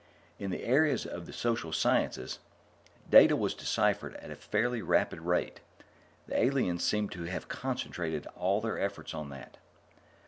In the areas of the social sciences, data was deciphered at a fairly rapid rate; the aliens seemed to have concentrated all their efforts on that.